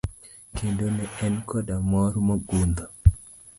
Kendo ne en koda mor mogundho.